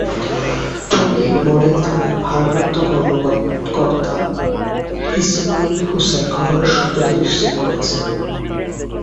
Tongi model থানার ভারপ্রাপ্ত কর্মকর্তা ইসমাইল হোসেন ঘটনার সত্যতা নিশ্চিত করেছেন।